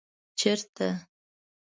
ـ چېرته ؟